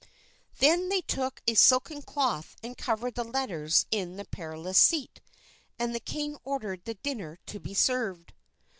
Then they took a silken cloth and covered the letters in the Perilous Seat, and the king ordered the dinner to be served.